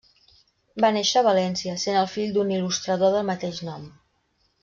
Va néixer a València, sent el fill d'un il·lustrador del mateix nom.